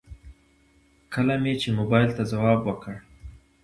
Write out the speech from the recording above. کله مې چې موبايل ته ځواب وکړ.